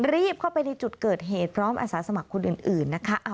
รีบเข้าไปในจุดเกิดเหตุพร้อมอาสาสมัครคนอื่นนะคะ